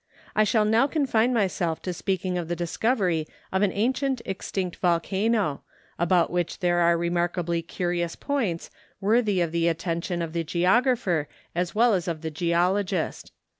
I shall now confine myself to speaking of the discovery of an ancient extinct volcano, about which there are re¬ markably curious points, worthy of the attention of the geographer as well as of the geologist.